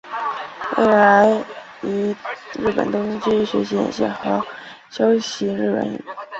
未来于日本东京继续学习演戏和修习日本语。